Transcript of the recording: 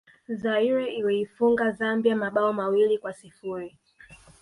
zaire iliifunga zambia mabao mawili kwa sifuri